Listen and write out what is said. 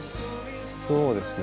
そうですね。